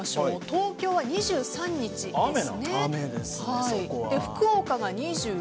東京は２３日ですね。